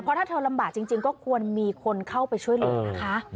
ถ้าเธอลำบากจริงก็ควรมีคนเข้าไปช่วยเหลือนะคะ